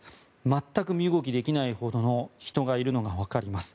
全く身動きできないほどの人がいるのがわかります。